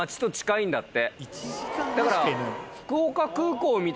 だから。